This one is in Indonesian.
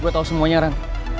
gue tau semuanya ren